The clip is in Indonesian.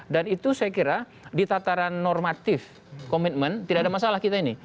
dan itu saya kira di tataran normatif komitmen tidak ada masalah kita ini